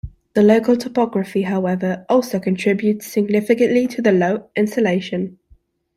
The local topography, however, also contributes significantly to the low insolation.